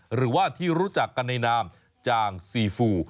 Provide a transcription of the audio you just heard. หรือว่าที่รู้จักกันในนามจางซีฟู